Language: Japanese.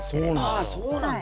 ああそうなんだ。